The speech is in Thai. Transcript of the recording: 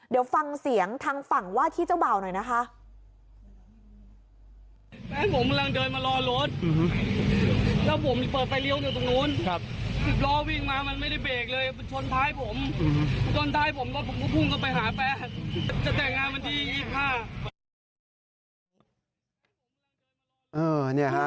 เดี๋ยวฟังเสียงทางฝั่งว่าที่เจ้าบ่าวหน่อยนะคะ